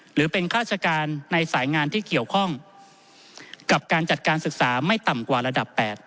หรือเป็นข้าราชการในสายงานที่เกี่ยวข้องกับการจัดการศึกษาไม่ต่ำกว่าระดับ๘